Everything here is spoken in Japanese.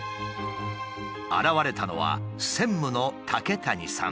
現れたのは専務の竹谷さん。